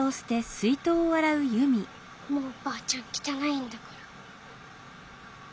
もうばあちゃんきたないんだから。